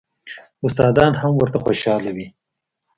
استادان هم ورته خوشاله وي.